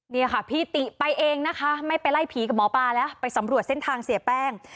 นี่ค่ะพี่ติไปเองนะคะไม่ไปไล่ผีกับหมอปลาแล้วไปสำรวจเส้นทางเสียแป้ง